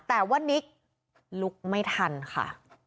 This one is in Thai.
แต่ว่านิกลุกไม่ทันค่ะ